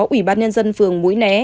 ủy ban nhân dân phường mũi né